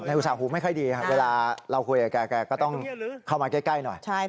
อุตสาหหูไม่ค่อยดีเวลาเราคุยกับแกแกก็ต้องเข้ามาใกล้หน่อย